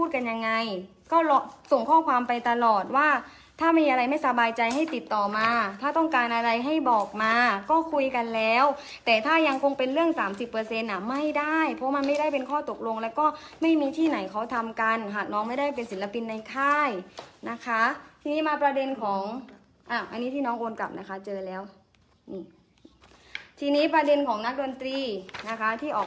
กันยังไงก็ส่งข้อความไปตลอดว่าถ้ามีอะไรไม่สบายใจให้ติดต่อมาถ้าต้องการอะไรให้บอกมาก็คุยกันแล้วแต่ถ้ายังคงเป็นเรื่องสามสิบเปอร์เซ็นต์อ่ะไม่ได้เพราะมันไม่ได้เป็นข้อตกลงแล้วก็ไม่มีที่ไหนเขาทำกันหากน้องไม่ได้เป็นศิลปินในค่ายนะคะทีนี้มาประเด็นของอ่ะอันนี้ที่น้องโอนกลับนะคะเจอแล้วนี่ทีนี้ประเด็นของนักดนตรีนะคะที่ออก